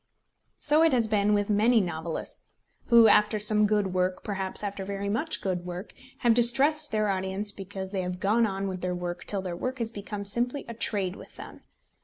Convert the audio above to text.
So it has been with many novelists, who, after some good work, perhaps after very much good work, have distressed their audience because they have gone on with their work till their work has become simply a trade with them.